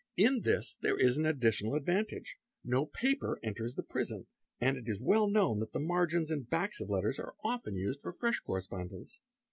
In this there is an additional advantage; no 7 paper enters the prison, and it is well known that the margins and backs of letters are often used for fresh correspondence.